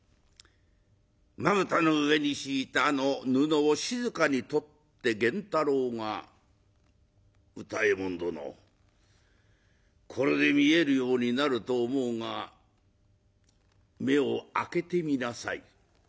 まぶたの上に敷いたあの布を静かに取って源太郎が「歌右衛門殿これで見えるようになると思うが目を開けてみなさい」。